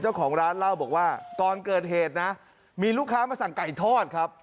เจ้าของร้านเล่าบอกว่าก่อนเกิดเหตุนะมีลูกค้ามาสั่งไก่ทอดครับ